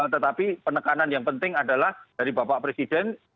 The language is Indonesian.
tetapi penekanan yang penting adalah dari bapak presiden